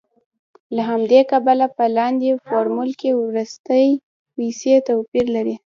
له همدې کبله په لاندې فورمول کې وروستۍ پیسې توپیر لري